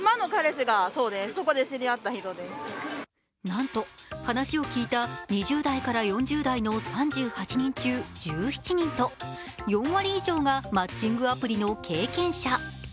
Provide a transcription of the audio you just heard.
なんと、話を聞いた２０代から４０代の３８人中、１７人と４割以上がマッチングアプリの経験者。